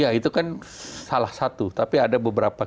ya itu kan salah satu tapi ada beberapa